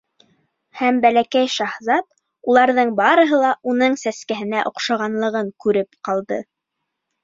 Һәм Бәләкәй шаһзат уларҙың барыһы ла уның сәскәһенә оҡшағанлығын күреп ҡалды.